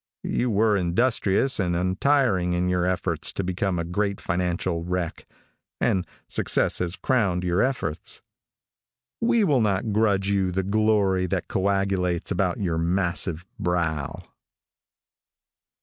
You were industrious and untiring in your efforts to become a great financial wreck, and success has crowned your efforts. We will not grudge you the glory that coagulates about your massive brow.